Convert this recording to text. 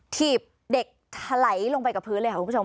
ถีบเด็กถลายลงไปกับพื้นเลยค่ะคุณผู้ชม